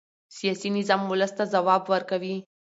سیاسي نظام ولس ته ځواب ورکوي